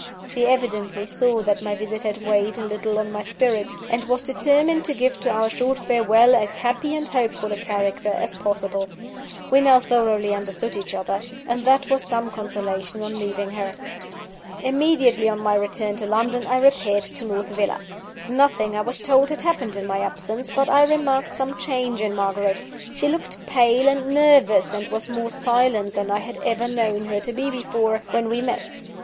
She evidently saw that my visit had weighed a little on my spirits, and was determined to give to our short farewell as happy and hopeful a character as possible. We now thoroughly understood each other; and that was some consolation on leaving her. Immediately on my return to London I repaired to North Villa. Nothing, I was told, had happened in my absence, but I remarked some change in Margaret. She looked pale and nervous, and was more silent than I had ever known her to be before, when we met.